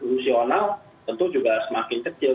tentu juga semakin kecil